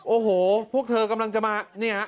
โอ้โหพวกเธอกำลังจะมา